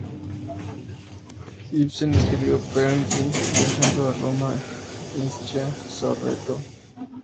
Ibsen escribió "Peer Gynt" viajando a Roma, Ischia y Sorrento.